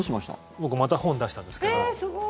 僕また本を出したんですけど。